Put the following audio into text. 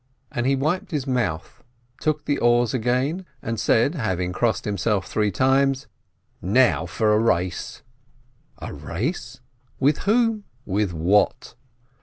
And he wiped his 140 SHOLOM ALECHEM mouth, took the oars in hand again, and said, having crossed himself three times : "Now for a race !" A race? With whom? With what?